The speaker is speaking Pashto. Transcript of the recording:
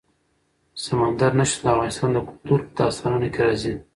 سمندر نه شتون د افغان کلتور په داستانونو کې راځي.